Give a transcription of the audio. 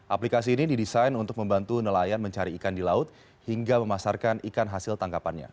aplikasi ini didesain untuk membantu nelayan mencari ikan di laut hingga memasarkan ikan hasil tangkapannya